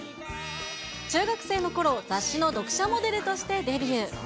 中学生のころ、雑誌の読者モデルとしてデビュー。